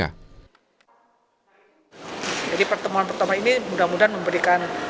jadi pertemuan pertemuan ini mudah mudahan memberikan